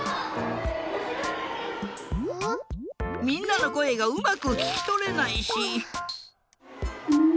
みんなのこえがうまくききとれないし。